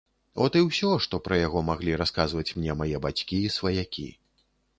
От і ўсё, што пра яго маглі расказваць мне мае бацькі і сваякі.